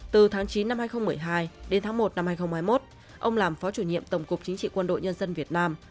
từ tháng chín năm hai nghìn một mươi hai đến tháng một năm hai nghìn hai mươi một ông làm phó chủ nhiệm tổng cục chính trị quân đội nhân dân việt nam